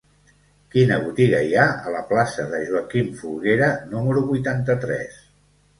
Quina botiga hi ha a la plaça de Joaquim Folguera número vuitanta-tres?